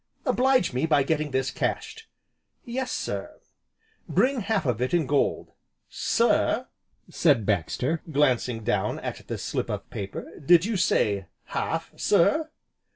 "Oblige me by getting this cashed." "Yes, sir." "Bring half of it in gold." "Sir," said Baxter, glancing down at the slip of paper, "did you say half, sir?"